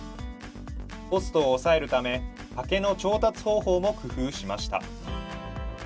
コストを抑えるため竹の調達方法も工夫しました。